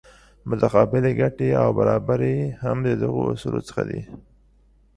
متقابلې ګټې او برابري هم د دغو اصولو څخه دي.